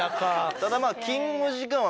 ただまぁ。